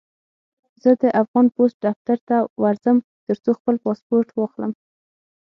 زه د افغان پوسټ دفتر ته ورځم، ترڅو خپل پاسپورټ واخلم.